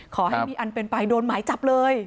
ขอให้มีอันเป็นไปโดนหมายจับเลย